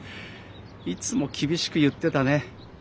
いつも厳しく言ってたね。